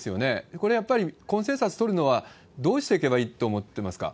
これ、やっぱりコンセンサス取るのは、どうしていけばいいと思ってますか？